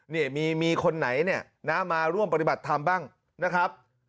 นี่มีคนไหนเนี่ยนะมาร่วมปฏิบัติธรรมบ้างนะครับ